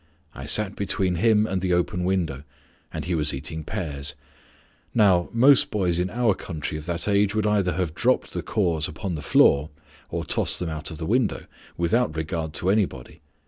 I sat between him and the open window, and he was eating pears. Now most boys in our country of that age would either have dropped the cores upon the floor or tossed them out of the window, without regard to anybody.